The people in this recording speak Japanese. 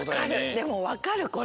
でもわかるこれ。